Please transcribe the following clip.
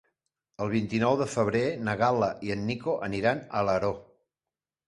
El vint-i-nou de febrer na Gal·la i en Nico aniran a Alaró.